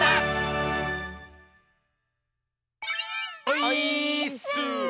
オイーッス！